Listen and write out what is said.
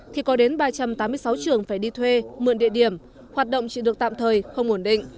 thì có đến ba trăm tám mươi sáu trường phải đi thuê mượn địa điểm hoạt động chỉ được tạm thời không ổn định